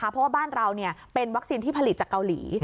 เพราะว่าบ้านเราเป็นวัคซีนที่ผลิตจากเกาหลี